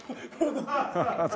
ハハハ。